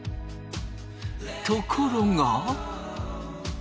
ところが。